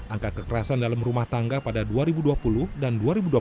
angka kekerasan dalam rumah tangga pada dua ribu dua puluh dan dua ribu dua puluh satu